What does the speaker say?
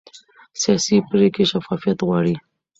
سیاسي پرېکړې شفافیت غواړي